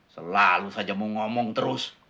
selalu saja mau ngomong terus